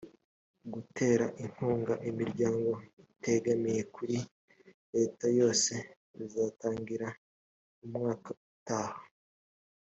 gutera inkunga imiryango itegamiye kuri leta yose bizatangira umwaka utaha